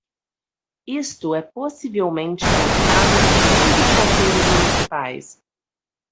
Isto é possivelmente pensado por muitos conselhos municipais.